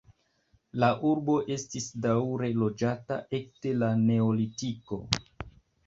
La urbo estis daŭre loĝata ekde la neolitiko.